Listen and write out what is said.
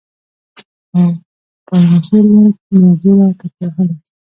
او پاينڅو نه دوړه ټکوهله